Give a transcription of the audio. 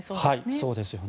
そうですよね。